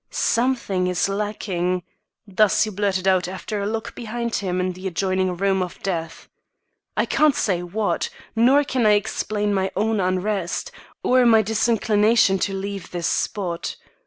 "Something is lacking." Thus he blurted out after a look behind him into the adjoining room of death. "I can't say what; nor can I explain my own unrest, or my disinclination to leave this spot.